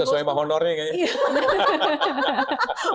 kan sesuai mah honornya kayaknya